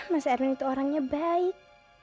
mas erwin itu orangnya baik